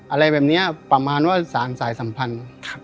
อะไรแบบนี้ประมาณว่าสารสายสัมพันธ์